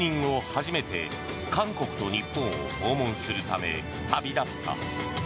初めて韓国と日本を訪問するため旅立った。